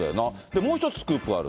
もう一つ、スクープがある。